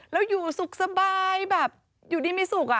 แล้วอยู่สุขสบายแบบอยู่ดีไม่สุขอะ